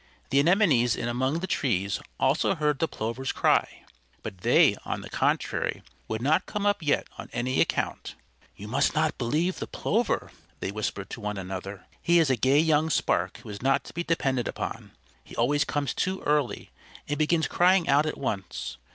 The Anemones in among the trees also heard the Plover's cry; but they, on the contrary, would not come up yet on any account. "You must not believe the Plover," they whispered to one another. "He is a gay young spark who is not to be depended upon. He always comes too early, and begins crying out at once.